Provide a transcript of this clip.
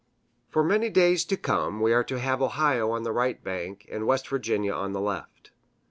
For many days to come we are to have Ohio on the right bank and West Virginia on the left.